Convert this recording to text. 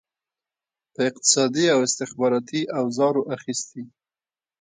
په اقتصادي او استخباراتي اوزارو اخیستي.